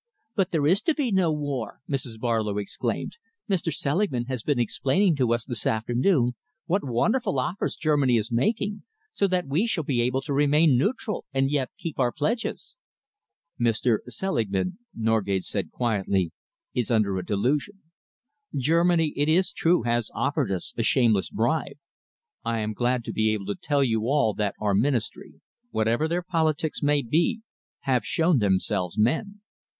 "But there is to be no war!" Mrs. Barlow exclaimed. "Mr. Selingman has been explaining to us this afternoon what wonderful offers Germany is making, so that we shall be able to remain neutral and yet keep our pledges." "Mr. Selingman," Norgate said quietly, "is under a delusion. Germany, it is true, has offered us a shameless bribe. I am glad to be able to tell you all that our Ministry, whatever their politics may be, have shown themselves men.